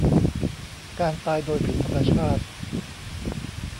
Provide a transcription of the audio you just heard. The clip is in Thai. การตายโดยผิดธรรมชาติ